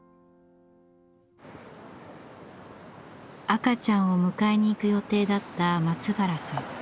赤ちゃんを迎えに行く予定だった松原さん。